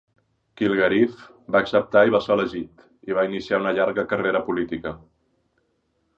Kilgariff va acceptar i va ser elegit, i va iniciar una llarga carrera política.